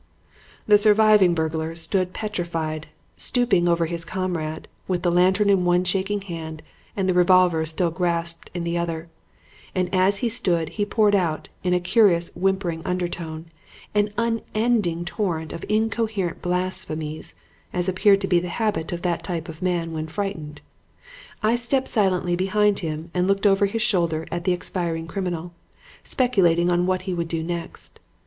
"The surviving burglar stood petrified, stooping over his comrade, with the lantern in one shaking hand and the revolver still grasped in the other; and as he stood, he poured out, in a curious, whimpering undertone, an unending torrent of incoherent blasphemies, as appears to be the habit of that type of man when frightened. I stepped silently behind him and looked over his shoulder at the expiring criminal, speculating on what he would do next.